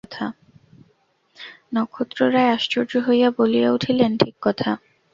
নক্ষত্ররায় আশ্চর্য হইয়া বলিয়া উঠিলেন, ঠিক কথা।